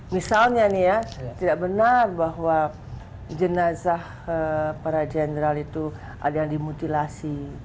misalnya nih ya tidak benar bahwa jenazah para jenderal itu ada yang dimutilasi